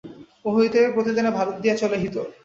অহিতের প্রতিদানে ভারত দিয়া চলে হিত।